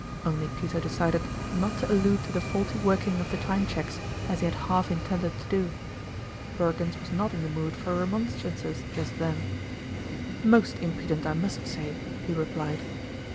Only Peter decided not to allude to the faulty working of the time cheques, as he had half intended to do. Perkins was not in the mood for remonstrances just then. " Most impudent, I must say," he replied.